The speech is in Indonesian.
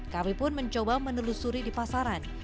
kami pun mencoba menelusuri di pasaran